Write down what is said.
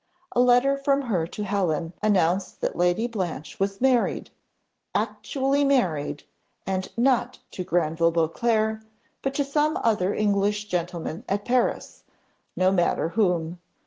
A letter from her to Helen announced that Lady Blanche was married! actually married, and not to Granville Beauclerc, but to some other English gentleman at Paris, no matter whom.